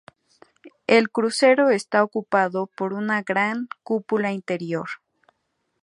El crucero está ocupado por una gran cúpula interior.